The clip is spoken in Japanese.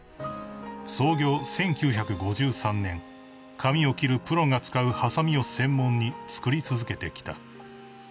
［髪を切るプロが使うはさみを専門に作り続けてきた］